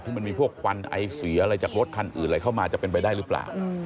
มันมีพวกควันไอเสียอะไรจากรถคันอื่นอะไรเข้ามาจะเป็นไปได้หรือเปล่า